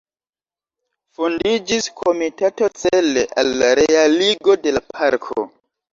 Fondiĝis komitato cele al la realigo de la parko.